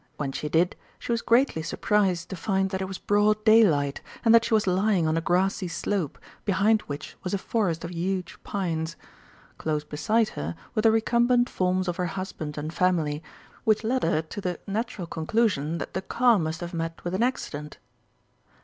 When she did, she was greatly surprised to find that it was broad daylight, and that she was lying on a grassy slope, behind which was a forest of huge pines. Close beside her were the recumbent forms of her husband and family, which led her to the natural conclusion that the car must have met with an accident.